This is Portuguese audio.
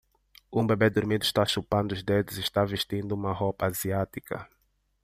Um bebê dormindo está chupando os dedos e está vestindo uma roupa asiática.